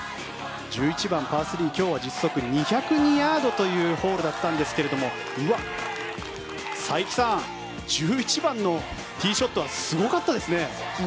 １１番、パー３今日は実測２０２ヤードというホールだったんですが佐伯さん１１番のティーショットはすごかったですね。